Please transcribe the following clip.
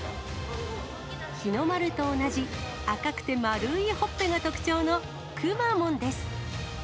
日の丸と同じ、赤くて丸いほっぺが特徴の、くまモンです。